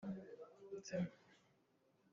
Caku nenhnak in caku ka nenh hna.